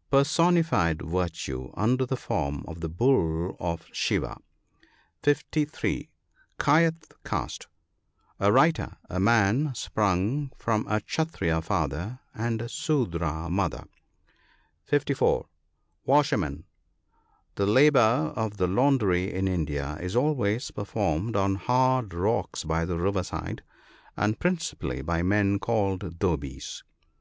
— Personified virtue, under the form of the bull of Shiva. (S3 ) Kdyeth caste. — A. writer; a man sprung from a Kshattriya father and a Sudra mother. (54.) Washerman. — The labour of the laundry in India is always per formed on hard rocks by the river side, and principally by men called "dhobies."